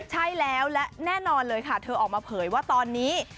ใช่แล้วและแน่นอนเลยค่ะเธอออกมาเผยว่าตอนนี้